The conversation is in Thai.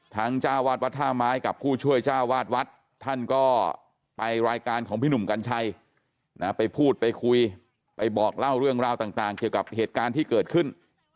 จ้าวาดวัดท่าไม้กับผู้ช่วยเจ้าวาดวัดท่านก็ไปรายการของพี่หนุ่มกัญชัยนะไปพูดไปคุยไปบอกเล่าเรื่องราวต่างเกี่ยวกับเหตุการณ์ที่เกิดขึ้น